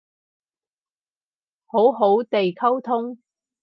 好好哋溝通